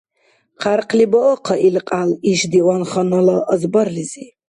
Хъярхъли баахъа ил кьял иш диванханала азбарлизи!